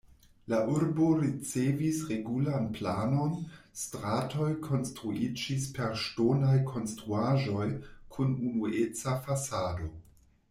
La urbo ricevis regulan planon, stratoj konstruiĝis per ŝtonaj konstruaĵoj kun unueca fasado.